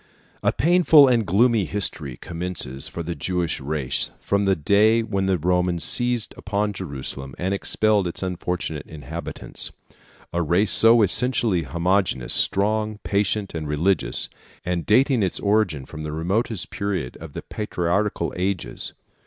A painful and gloomy history commences for the Jewish race from the day when the Romans seized upon Jerusalem and expelled its unfortunate inhabitants, a race so essentially homogeneous, strong, patient, and religious, and dating its origin from the remotest period of the patriarchal ages.